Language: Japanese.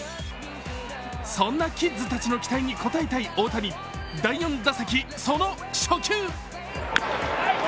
そんなキッズたちの期待に応えたい大谷、第４打席、その初球。